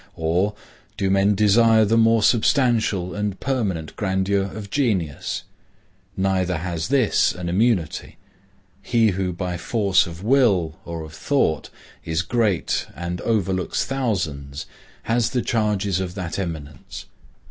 Or, do men desire the more substantial and permanent grandeur of genius? Neither has this an immunity. He who by force of will or of thought is great and overlooks thousands, has the charges of that eminence.